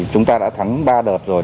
chúng ta đã thắng ba đợt rồi